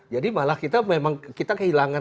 jadi malah kita memang kehilangan